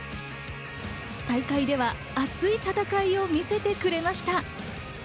大会では熱い戦いを見せてくれました。